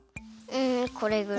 うんこれぐらい？